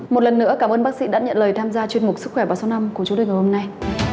một lần nữa cảm ơn bác sĩ đã nhận lời tham gia chuyên mục sức khỏe vào số năm của chủ đề ngày hôm nay